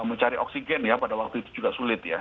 mencari oksigen ya pada waktu itu juga sulit ya